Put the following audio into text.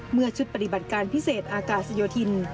เมื่อชุดปฏิบัติการพิเศษอากาศยโดดิน